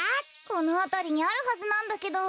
このあたりにあるはずなんだけど。